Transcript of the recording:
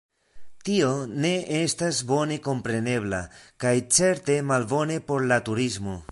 Tio ne estas bone komprenebla kaj certe malbone por la turismo.